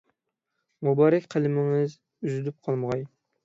مۇبارەك قەلىمىڭىز ئۈزۈلۈپ قالمىغاي.